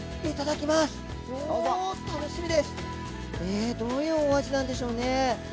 えどういうお味なんでしょうね？